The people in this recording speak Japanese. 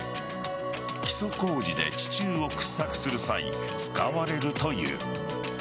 基礎工事で地中を掘削する際使われるという。